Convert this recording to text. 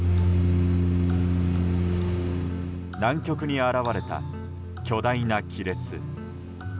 南極に現れた巨大な亀裂。